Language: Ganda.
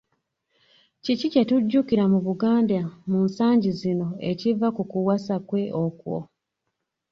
Kiki kye tujjukira mu Buganda mu nsangi zino ekiva ku kuwasa kwe okwo?